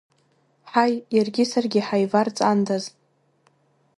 Ҳаи, иаргьы саргьы ҳаиварҵандаз!